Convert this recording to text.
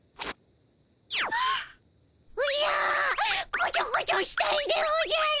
こちょこちょしたいでおじゃる。